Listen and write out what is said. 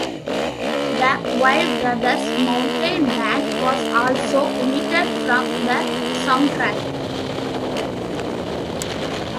"The Vile Brothers Mountain Band" was also omitted from the soundtrack.